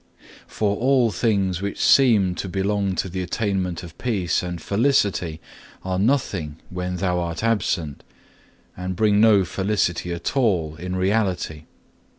4. For all things which seem to belong to the attainment of peace and felicity are nothing when Thou art absent, and bring no felicity at all in reality.